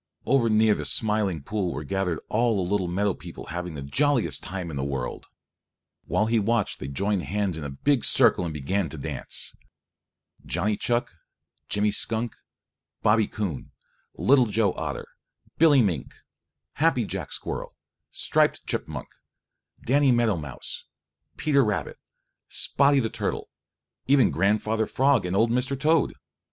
Over near the Smiling Pool were gathered all the little meadow people having the jolliest time in the world. While he watched they joined hands in a big circle and began to dance, Johnny Chuck, Jimmy Skunk, Bobby Coon, Little Joe Otter, Billy Mink, Happy Jack Squirrel, Striped Chipmunk, Danny Meadow Mouse, Peter Rabbit, Spotty the Turtle, even Grandfather Frog and old Mr. Toad.